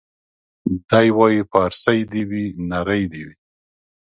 دی وايي پارسۍ دي وي نرۍ دي وي